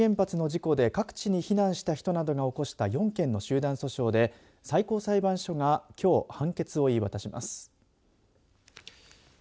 福島第一原発の事故で各地に避難した人などが起こした４件の集団訴訟で最高裁判所がきょう判決を言い渡します。